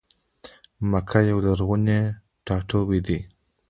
مکه یو لرغونی ټا ټوبی دی.